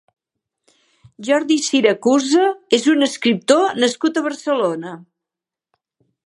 Jordi Siracusa és un escriptor nascut a Barcelona.